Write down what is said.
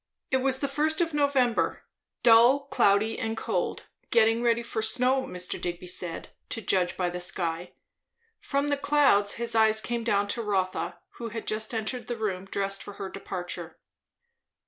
It was the first of November; dull, cloudy and cold; getting ready for snow, Mr. Digby said, to judge by the sky. From the clouds his eye came down to Rotha, who had just entered the room dressed for her departure.